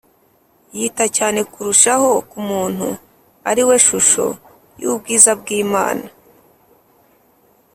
yita cyane kurushaho ku muntu, ari we shusho y’ubwiza bw’imana